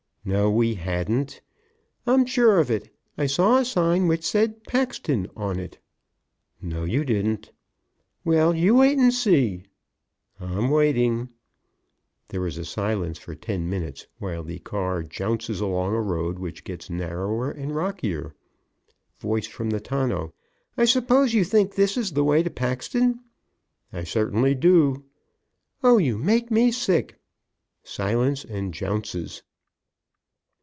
"No, we hadn't." "I'm sure of it. I saw a sign which said: 'Paxton' on it." "No, you didn't." "Well, you wait and see." "I'm waiting." There is a silence for ten minutes, while the car jounces along a road which gets narrower and rockier. (Voice from the tonneau): "I suppose you think this is the way to Paxton?" "I certainly do." "Oh, you make me sick!" Silence and jounces.